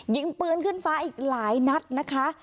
ยิงปืนขึ้นฟ้าอีกหลายนัดนะคะ